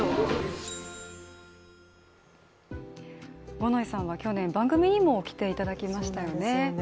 五ノ井さんは去年、番組にも来ていただきましたよね。